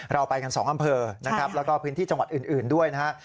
เราไปกัน๒อำเภอนะครับแล้วก็พื้นที่จังหวัดอื่นด้วยนะฮะ